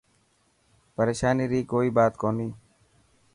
پريشاني ري ڪوئي بات ڪوني.